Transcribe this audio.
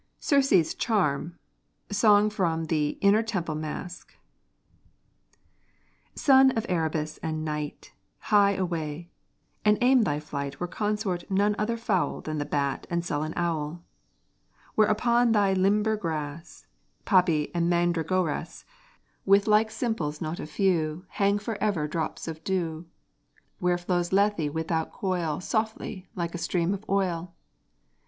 CIRCE'S CHARM Song from the 'Inner Temple Masque' Son of Erebus and night, Hie away; and aim thy flight Where consort none other fowl Than the bat and sullen owl; Where upon thy limber grass, Poppy and mandragoras, With like simples not a few, Hang forever drops of dew; Where flows Lethe without coil Softly like a stream of oil.